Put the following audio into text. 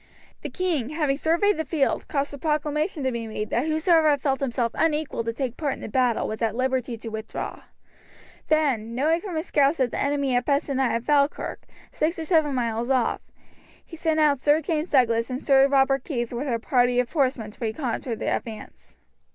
The king, having surveyed the field, caused a proclamation to be made that whosoever felt himself unequal to take part in the battle was at liberty to withdraw. Then, knowing from his scouts that the enemy had passed the night at Falkirk, six or seven miles off, he sent out Sir James Douglas and Sir Robert Keith with a party of horsemen to reconnoitre the advance.